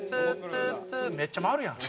めっちゃ回るやん。